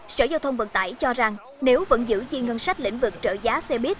sở giao thông vận tải cho rằng nếu vẫn giữ chi ngân sách lĩnh vực trợ giá xe buýt